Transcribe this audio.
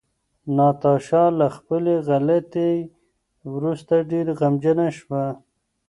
ناتاشا له خپلې غلطۍ وروسته ډېره غمجنه شوه.